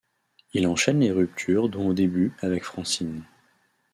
Il enchaîne les ruptures dont au début avec Francine.